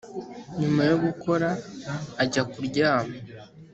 Nyuma yo gukora jya kuryama